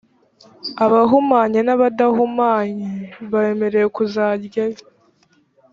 abahumanye n’abadahumanye bemerewe kuzaryaho,